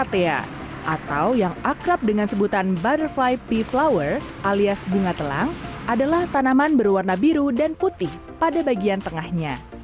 atau yang akrab dengan sebutan bar fly pea flower alias bunga telang adalah tanaman berwarna biru dan putih pada bagian tengahnya